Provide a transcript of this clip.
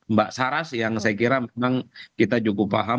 mbak saras yang saya kira memang kita cukup paham